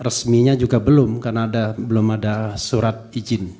resminya juga belum karena belum ada surat izin